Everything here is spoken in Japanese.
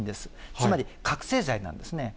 つまり、覚醒剤なんですね。